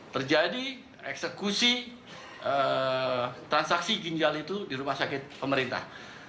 terjadi eksekusi transaksi ginjal itu di rumah sakit pemerintah